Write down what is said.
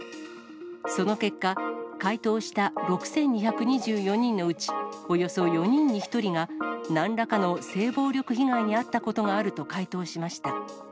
その結果、回答した６２２４人のうち、およそ４人に１人が、なんらかの性暴力被害に遭ったことがあると回答しました。